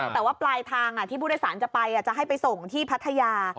แต่ว่าปลายทางที่ผู้โดยสารจะไปจะให้ไปส่งที่พัทยา